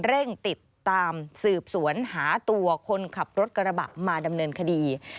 เร่งติดตามสืบสวนหาตัวคนขับรถกระบะมาดำเนินคดี